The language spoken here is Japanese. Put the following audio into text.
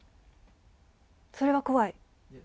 それは怖い？